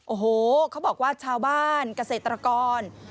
โอ้โหเขาบอกว่าชาวบ้านเกษตรกร